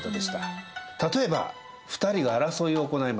例えば２人が争いを行います。